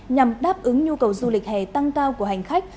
nhằm đáp ứng nhu cầu du lịch hè tăng cao của hành khách